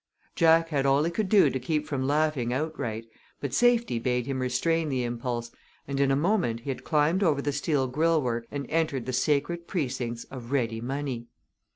Jack had all he could do to keep from laughing outright, but safety bade him restrain the impulse, and in a moment he had climbed over the steel grillwork and entered the sacred precincts of Ready Money.